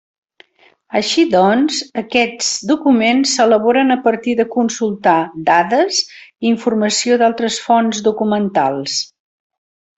Així doncs aquests documents s'elaboren a partir de consultar dades i informació d'altres fonts documentals.